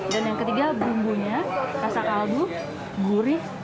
dan yang ketiga bumbunya rasa kaldu gurih